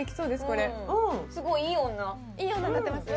これすごいいい女いい女になってます？